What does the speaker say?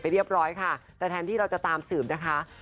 เรียบร้อยค่ะแต่แทนที่เราจะตามสืบนะคะ